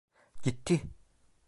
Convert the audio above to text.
Gitti!